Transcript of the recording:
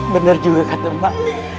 bener juga kata emak